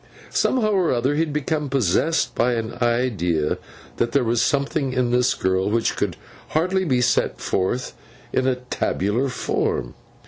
Somehow or other, he had become possessed by an idea that there was something in this girl which could hardly be set forth in a tabular form.